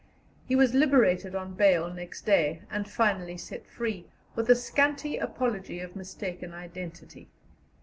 He was liberated on bail next day, and finally set free, with a scanty apology of mistaken identity.